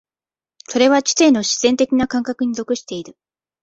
それは知性の自然的な感覚に属している。